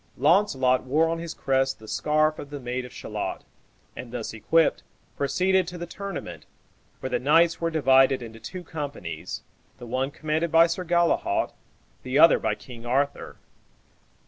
Launcelot wore on his crest the scarf of the maid of Shalott, and, thus equipped, proceeded to the tournament, where the knights were divided into two companies, the one commanded by Sir Galehaut, the other by King Arthur.